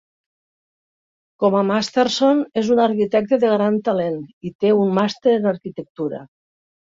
Com a Masterson, és un arquitecte de gran talent i té un màster en arquitectura.